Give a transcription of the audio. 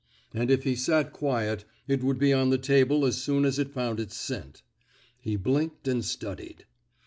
And if he sat quiet it would be on the table as soon as it found its scent. He blinked and studied.